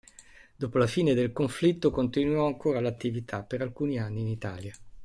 Dopo la fine del conflitto continuò ancora l'attività per alcuni anni in Italia.